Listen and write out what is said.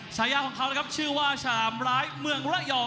ฉายาของเขานะครับชื่อว่าชามร้ายเมืองระยอง